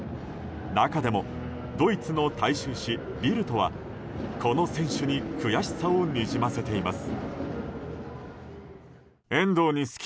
中でもドイツの大衆紙ビルトはこの選手に悔しさをにじませています。